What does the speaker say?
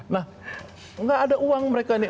nah gak ada uang mereka ini